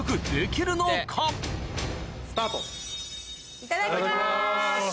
いただきます。